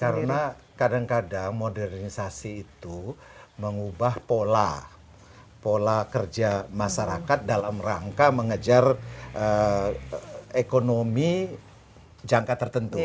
karena kadang kadang modernisasi itu mengubah pola kerja masyarakat dalam rangka mengejar ekonomi jangka tertentu